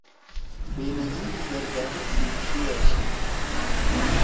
بے نظیر زرداری سی ڇھی أشی۔